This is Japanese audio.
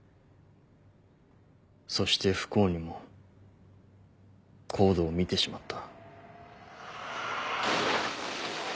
そして不幸にもＣＯＤＥを見てしまった。